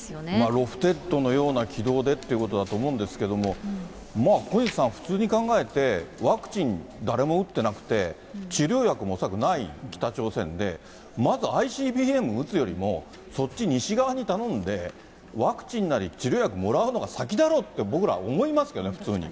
ロフテッドのような軌道でっていうことだと思うんですけれども、小西さん、普通に考えて、ワクチン、誰も打ってなくて、治療薬も恐らくない北朝鮮で、まずＩＣＢＭ撃つよりも、そっち、西側に頼んで、ワクチンなり治療薬もらうのが先だろって、僕ら思いますけどね、普通に。